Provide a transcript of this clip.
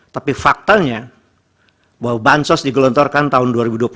tapi faktanya bahwa bansos digelontorkan tahun dua ribu dua puluh satu